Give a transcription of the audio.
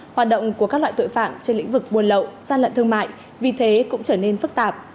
hoạt động của các loại tội phạm trên lĩnh vực buồn lậu gian lận thương mại vì thế cũng trở nên phức tạp